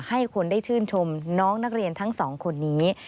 ให้คนได้ชื่นชมน้องนักเรียนทั้งสองคนนี้